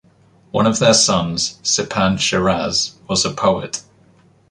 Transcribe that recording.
One of their sons, Sipan Shiraz, was a poet.